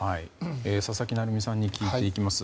佐々木成三さんに聞いていきます。